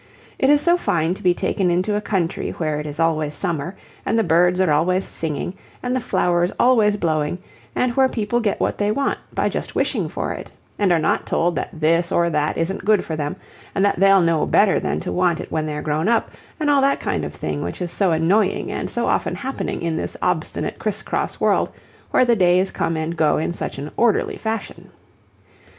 It is so fine to be taken into a country where it is always summer, and the birds are always singing and the flowers always blowing, and where people get what they want by just wishing for it, and are not told that this or that isn't good for them, and that they'll know better than to want it when they're grown up, and all that kind of thing which is so annoying and so often happening in this obstinate criss cross world, where the days come and go in such an ordinary fashion.